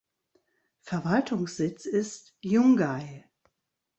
Verwaltungssitz ist Yungay.